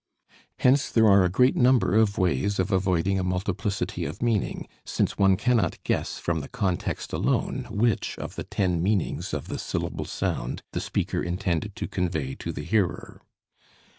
Hence there are a great number of ways of avoiding a multiplicity of meaning, since one cannot guess from the context alone which of the ten meanings of the syllable sound the speaker intended to convey to the hearer.